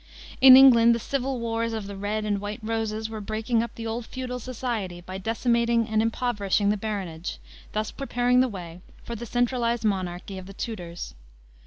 In England the civil wars of the Red and White Roses were breaking up the old feudal society by decimating and impoverishing the baronage, thus preparing the way for the centralized monarchy of the Tudors.